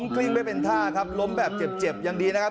กลิ้งไม่เป็นท่าครับล้มแบบเจ็บยังดีนะครับ